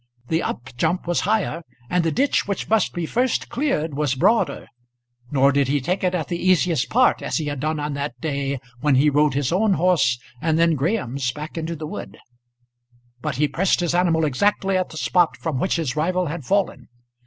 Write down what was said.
The up jump was higher, and the ditch which must be first cleared was broader. Nor did he take it at the easiest part as he had done on that day when he rode his own horse and then Graham's back into the wood. But he pressed his animal exactly at the spot from which his rival had fallen.